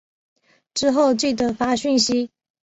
之后记得发讯息